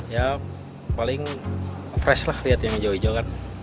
ya paling fresh lah lihat yang hijau hijau kan